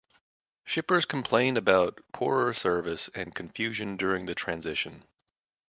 Shippers complain about poorer service and confusion during the transition.